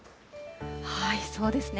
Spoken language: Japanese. そうですね。